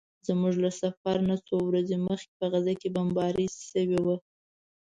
زموږ له سفر نه څو ورځې مخکې په غزه کې بمباري شوې وه.